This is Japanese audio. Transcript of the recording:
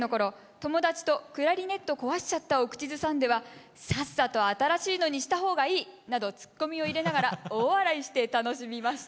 友達と「クラリネットこわしちゃった」を口ずさんではさっさと新しいのにした方がいいなどツッコミを入れながら大笑いして楽しみました。